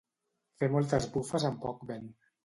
Fer moltes bufes amb poc vent.